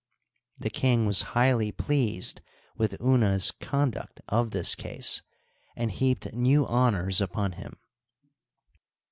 The king was highly pleased with Una's conduct of this case, and heaped new honors upon him.